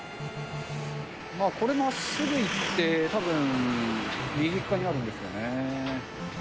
これ、まっすぐ行ってたぶん右側にあるんですよね。